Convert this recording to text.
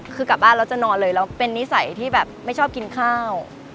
คือกลับบ้านแล้วจะนอนเลยแล้วเป็นนิสัยที่แบบไม่ชอบกินข้าว